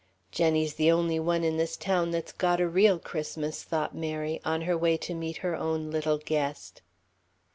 "Jenny's the only one in this town that's got a real Christmas," thought Mary, on her way to meet her own little guest.